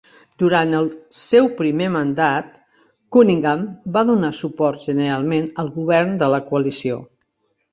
Durant el seu primer mandat, Cunningham va donar suport generalment al govern de la Coalició.